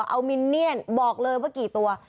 เอามินเนียนบอกเลยว่ากี่ตัว